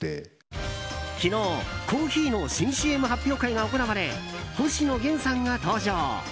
昨日、コーヒーの新ＣＭ発表会が行われ星野源さんが登場。